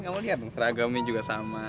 kamu lihat seragamnya juga sama